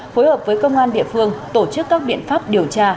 phối hợp với công an địa phương tổ chức các biện pháp điều tra